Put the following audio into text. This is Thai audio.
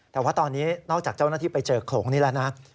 แต่ว่าตอนนี้นอกจากเจ้าหน้าที่ไปเจอโขลงนี้แล้วนะ